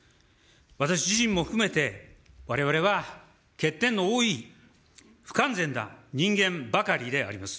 私自身も含めて、われわれは欠点の多い、不完全な人間ばかりであります。